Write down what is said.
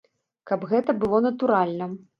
Каб гэта было натуральна.